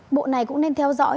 bộ này cũng nên theo dõi